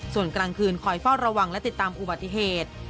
ส่วนกลางคืนคอยเฝ้าระวังและติดตามอุบัติเหตุ